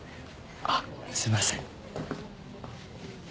あっすいません。